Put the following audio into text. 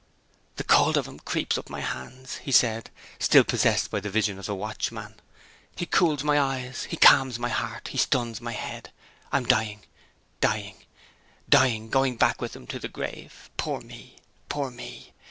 "The cold of him creeps up my hands," he said, still possessed by the vision of the watchman. "He cools my eyes, he calms my heart, he stuns my head. I'm dying, dying, dying going back with him to the grave. Poor me! poor me!"